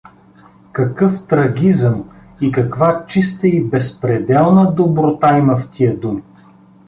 Какъв трагизъм и каква чиста и безпределна доброта има в тия думи!